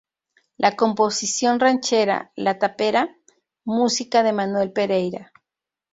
La composición ranchera "La tapera", música de Manuel Pereira.